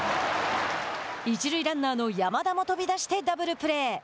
一塁ランナーの山田も飛び出してダブルプレー。